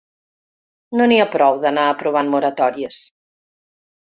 No n’hi ha prou d’anar aprovant moratòries.